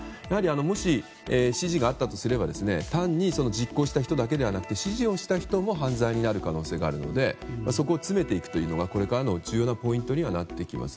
もし指示があったとすれば単に実行した人だけではなくて指示をした人も犯罪になる可能性があるのでそこを詰めていくというのがこれからの重要なポイントにはなってきます。